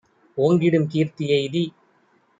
ஓங்கிடும் கீர்த்தி யெய்தி